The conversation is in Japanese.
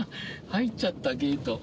入っちゃったゲート。